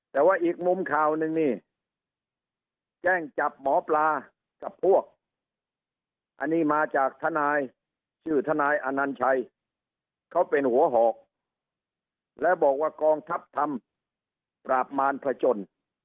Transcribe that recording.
แต่ว่าอีกมุมข่าวนึงนี่แจ้งจับหมอปลากับพวกอันนี้มาจากทนายชื่อทนายอนัญชัยเขาเป็นหัวหอกแล้วบอกว่ากองทัพทำปราบมารพจน